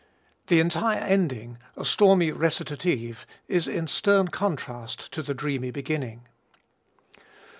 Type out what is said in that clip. The entire ending, a stormy recitative, is in stern contrast to the dreamy beginning.